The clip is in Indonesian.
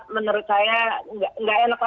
menurut saya nggak enak apa apa